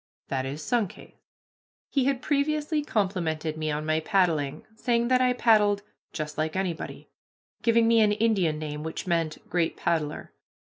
That is Sunkhaze." He had previously complimented me on my paddling, saying that I paddled "just like anybody," giving me an Indian name which meant "great paddler."